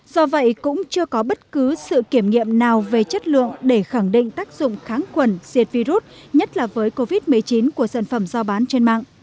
do vậy cũng chưa có bất cứ sự kiểm nghiệm nào về chất lượng để khẳng định tác dụng kháng quần diệt virus nhất là với covid một mươi chín của sản phẩm giao bán trên mạng